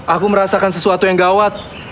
aku merasakan sesuatu yang gawat